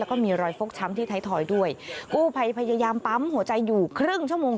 แล้วก็มีรอยฟกช้ำที่ไทยทอยด้วยกู้ภัยพยายามปั๊มหัวใจอยู่ครึ่งชั่วโมง